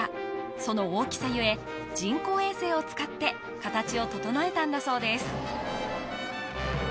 その大きさ故人工衛星を使って形を整えたんだそうです